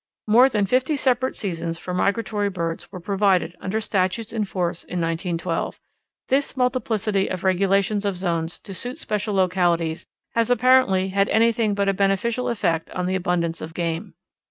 _ "More than fifty separate seasons for migratory birds were provided under statutes in force in 1912. This multiplicity of regulations of zones to suit special localities has apparently had anything but a beneficial effect on the abundance of game.